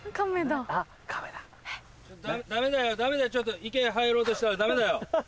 ダメだよダメだよ池入ろうとしたらダメだよ。